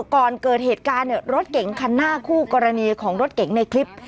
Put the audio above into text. ก่อนเกิดเหตุการณ์รถเก๋งคันหน้าคู่กรณีของรถเก๋งในคลิป